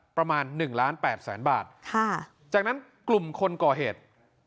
ประมาณ๑ล้าน๘แสนบาทจากนั้นกลุ่มคนก่อเหตุ